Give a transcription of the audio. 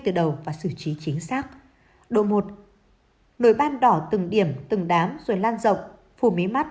từ đầu và xử trí chính xác độ một nồi ban đỏ từng điểm từng đám rồi lan rộng phù mỹ mắt